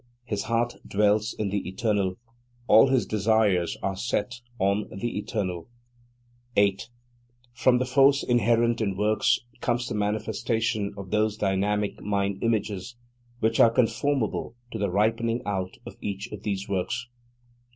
His heart dwells in the Eternal; all his desires are set on the Eternal. 8. From the force inherent in works comes the manifestation of those dynamic mind images which are conformable to the ripening out of each of these works.